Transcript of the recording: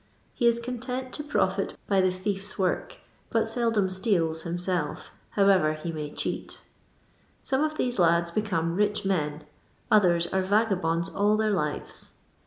He is content to profit by the thief's work, bat seldom sfeu/s himself, however be may cheat I Some of these lids become rich men ; othen are ' vagabonds all their lives.